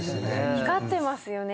光ってますよね